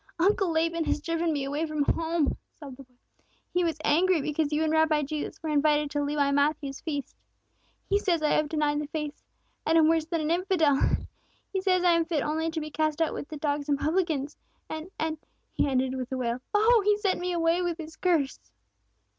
"Uncle Laban has driven me away from home!" sobbed the boy. "He was angry because you and Rabbi Jesus were invited to Levi Matthew's feast. He says I have denied the faith, and am worse than an infidel. He says I am fit only to be cast out with the dogs and publicans! and and " he ended with a wail. "Oh, he sent me away with his curse!"